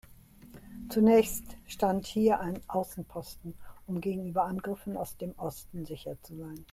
Zunächst stand hier ein Außenposten, um gegenüber Angriffen aus dem Osten sicher zu sein.